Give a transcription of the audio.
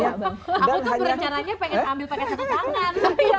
aku tuh berencananya pengen ambil pakai satu tangan